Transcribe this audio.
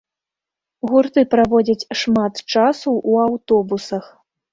Гурты праводзяць шмат часу ў аўтобусах.